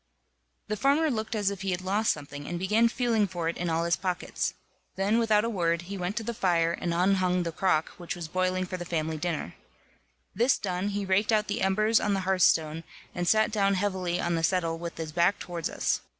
The farmer looked as if he had lost something, and began feeling for it in all his pockets. Then, without a word, he went to the fire, and unhung the crock which was boiling for the family dinner. This done, he raked out the embers on the hearthstone, and sat down heavily on the settle with his back towards us.